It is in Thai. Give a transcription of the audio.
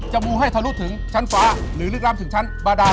จะมูให้เธอรู้ถึงชั้นฟ้าหรือลึกล้ามถึงชั้นบรรดา